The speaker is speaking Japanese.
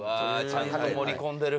ちゃんと盛り込んでる。